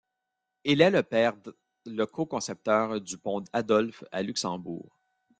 Il est le père d', le co-concepteur du pont Adolphe à Luxembourg.